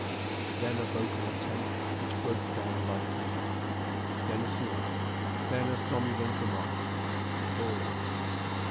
Then a vocal attempt, which broke down by degrees. Then a snore. Then a somnolent remark "All right!"